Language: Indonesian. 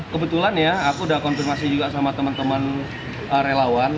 kebetulan ya aku udah konfirmasi juga sama teman teman relawan